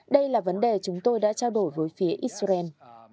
đây là vấn đề chúng tôi đã trao đổi với phía israel